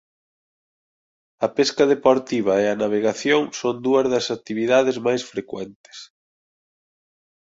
A pesca deportiva e a navegación son dúas das actividades máis frecuentes.